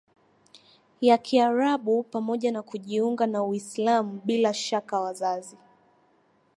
ya Kiarabu pamoja na kujiunga na Uislamu Bila shaka wazazi